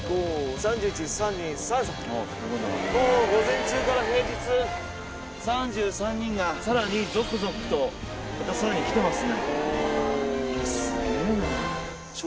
もう午前中から平日３３人がさらに続々とさらに来てますね